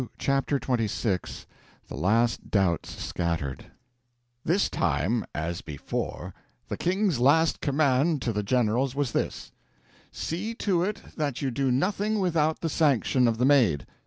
Chapter 26 The Last Doubts Scattered THIS TIME, as before, the King's last command to the generals was this: "See to it that you do nothing without the sanction of the Maid."